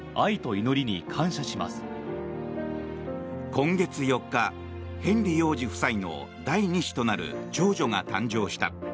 今月４日、ヘンリー王子夫妻の第２子となる長女が誕生した。